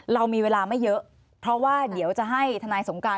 เรามีเวลาไม่เยอะเพราะว่าเดี๋ยวจะให้ทนายสงการ